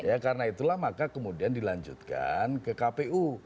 ya karena itulah maka kemudian dilanjutkan ke kpu